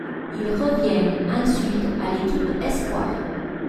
Il revient ensuite à l'équipe espoir.